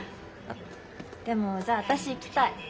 でもじゃあ私行きたい。